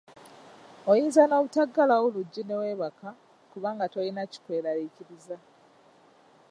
Oyinza n'obutaggalawo luggi ne weebaka, kubanga tolina kikweraliikiriza